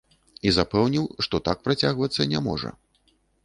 І запэўніў, што так працягвацца не можа.